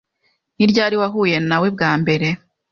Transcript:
Ni ryari wahuye nawe bwa mbere?